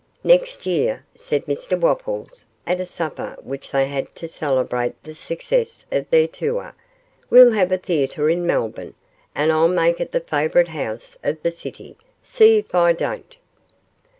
'Next year,' said Mr Wopples, at a supper which they had to celebrate the success of their tour, 'we'll have a theatre in Melbourne, and I'll make it the favourite house of the city, see if I don't.